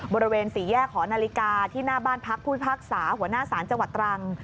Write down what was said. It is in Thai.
บริเวณสี่แยกหอนาฬิกาที่หน้าบ้านพักผู้พิพากษาหัวหน้าศาลจังหวัดตรัง